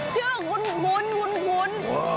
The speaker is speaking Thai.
ชื่อคุ้น